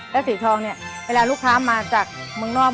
แล้วสีทองเนี่ยเวลาลูกค้ามาจากเมืองนอก